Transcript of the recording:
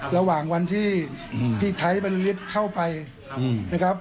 ระหว่างวันที่พี่ไทยบรรลิตเข้าไปนะครับ